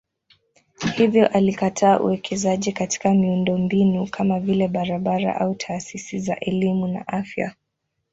Hivyo alikataa uwekezaji katika miundombinu kama vile barabara au taasisi za elimu na afya.